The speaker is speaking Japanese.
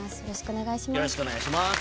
よろしくお願いします。